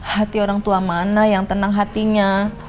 hati orang tua mana yang tenang hatinya